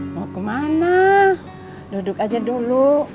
mau kemana duduk aja dulu